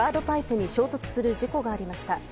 パイプに衝突する事故がありました。